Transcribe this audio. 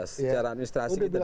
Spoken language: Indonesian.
secara administrasi kita ditebat